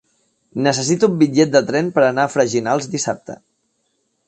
Necessito un bitllet de tren per anar a Freginals dissabte.